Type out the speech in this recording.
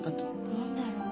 何だろう？